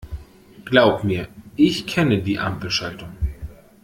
Glaub mir, ich kenne die Ampelschaltung.